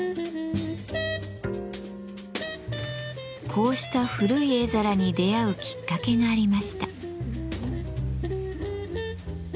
こうした古い絵皿に出会うきっかけがありました。